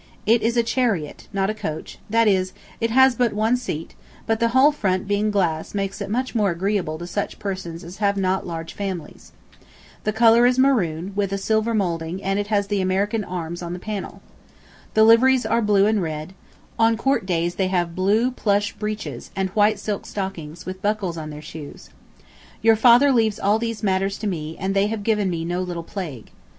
It is a chariot, not a coach; that is, it has but one seat, but the whole front being glass makes it much more agreeable to such persons as have not large families. The color is maroon, with a silver moulding, and has the American arms on the panel. The liveries are blue and red; on Court Days they have blue plush breeches, and white silk stockings, with buckles on their shoes. Your father leaves all these matters to me, and they have given me no little plague.